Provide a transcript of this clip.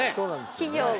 企業が。